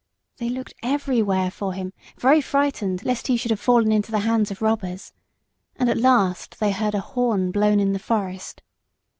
They looked everywhere for him, very frightened lest he should have fallen into the hands of robbers; and at last they heard a horn blown in the forest.